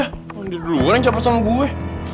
lu kan dua orang yang capat sama gue